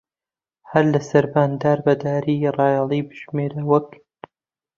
هەر لە سەربان دار بە داری ڕایەڵی بژمێرە وەک